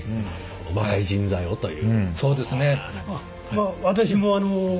若い人材をという。